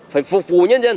phải phục vụ nhân dân